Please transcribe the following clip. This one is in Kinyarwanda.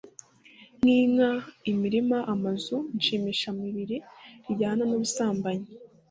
nk’inka, imirima, amazu... ishimishamubiri rijyana n’ubusambanyi,